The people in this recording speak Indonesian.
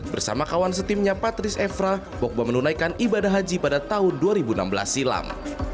bersama kawan setimnya patrice evra pogba menunaikan ibadah haji pada tahun dua ribu enam belas silam